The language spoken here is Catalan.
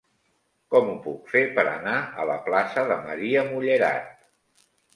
Com ho puc fer per anar a la plaça de Maria Mullerat?